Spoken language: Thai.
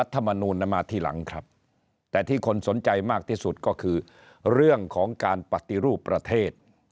แต่ที่คนสนใจมากที่สุดก็คือเรื่องของการปฏิรูปประเทศ